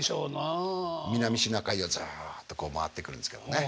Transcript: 南シナ海をずっとこう回ってくるんですけどね。